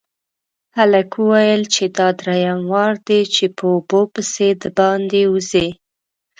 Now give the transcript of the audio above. هلک وويل چې دا دريم وار دی چې په اوبو پسې د باندې وځي.